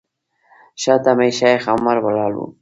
شاته مې شیخ عمر ولاړ و.